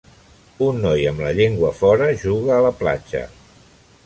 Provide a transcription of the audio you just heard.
Un noi amb la llengua fora juga a la platja.